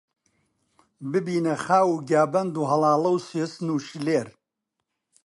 ببینە خاو و گیابەند و هەڵاڵە و سوێسن و شللێر